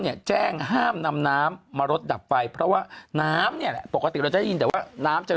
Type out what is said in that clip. เนี่ยแจ้งห้ามนำน้ำมาลดดับไฟเพราะว่าน้ำเนี่ยแหละปกติเราจะได้ยินแต่ว่าน้ำจะ